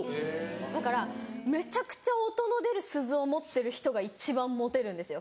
だからめちゃくちゃ音の出る鈴を持ってる人が一番モテるんですよ！